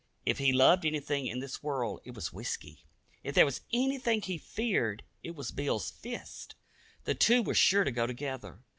If he loved anything in this world, it was whisky. If there was anything he feared, it was Bill's fist. The two were sure to go together.